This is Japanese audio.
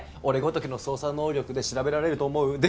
俺ごときの捜査能力で調べられると思う？